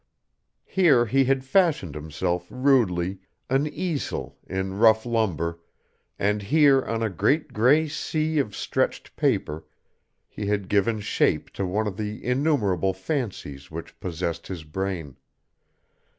Here he had fashioned himself rudely an easel in rough lumber, and here on a great gray sea of stretched paper he had given shape to one of the innumerable fancies which possessed his brain.